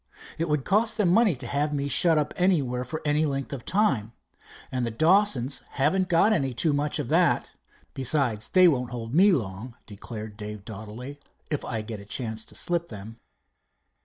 It would cost them money to have me shut up anywhere for any length of time, and the Dawsons haven't got any too much of that. Besides, they won't hold me long," declared Dave doughtily, "if I get a chance to slip them."